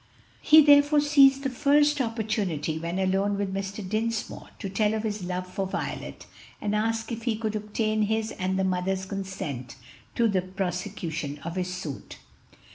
He therefore seized the first opportunity when alone with Mr. Dinsmore to tell of his love for Violet, and ask if he could obtain his and the mother's consent to the prosecution of his suit.